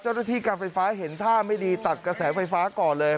เจ้าหน้าที่การไฟฟ้าเห็นท่าไม่ดีตัดกระแสไฟฟ้าก่อนเลย